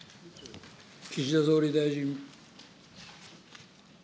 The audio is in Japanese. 岸田総理大臣。